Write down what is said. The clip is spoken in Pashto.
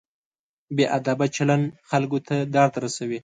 بې ادبه چلند خلکو ته درد رسوي.